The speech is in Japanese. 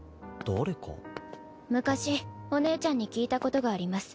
昔お姉ちゃんに聞いたことがあります。